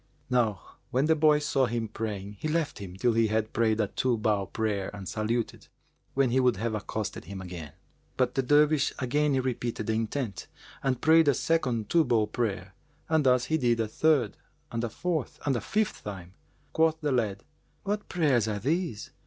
Now when the boy saw him praying, he left him till he had prayed a two bow prayer and saluted,[FN#392] when he would have accosted him again; but the Dervish again repeated the intent[FN#393] and prayed a second two bow prayer, and thus he did a third and a fourth and a fifth time. Quoth the lad, "What prayers are these?